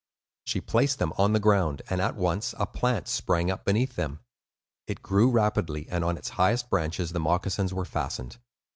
She placed them on the ground, and at once a plant sprang up beneath them. It grew rapidly, and on its highest branches the moccasins were fastened.